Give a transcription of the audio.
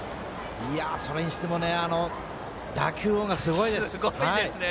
それにしても打球音がすごいです。